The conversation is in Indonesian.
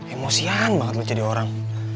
emosian banget buat jadi orang